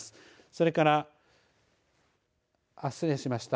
それから失礼しました。